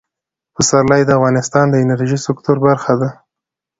پسرلی د افغانستان د انرژۍ سکتور برخه ده.